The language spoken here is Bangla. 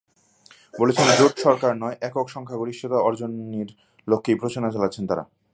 বলছেন, জোট সরকার নয়, একক সংখ্যাগরিষ্ঠতা অর্জনের লক্ষ্যেই প্রচারণা চালাচ্ছেন তাঁরা।